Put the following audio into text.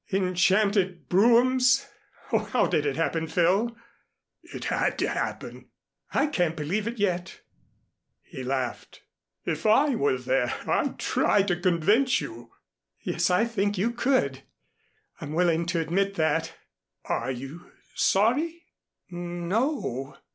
"Enchanted broughams. Oh, how did it happen, Phil?" "It had to happen." "I can't believe it yet." He laughed. "If I were there I'd try to convince you." "Yes, I think you could. I'm willing to admit that." "Are you sorry?" "N o.